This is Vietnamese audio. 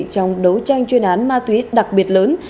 trong đấu tranh chuyên án ma túy đặc biệt lớn